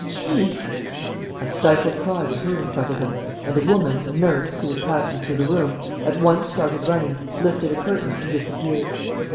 "Chief!" A stifled cry was heard in front of them; and a woman, a nurse, who was passing through the room, at once started running, lifted a curtain, and disappeared.